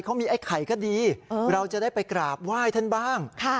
เขามีไอ้ไข่ก็ดีเราจะได้ไปกราบไหว้ท่านบ้าง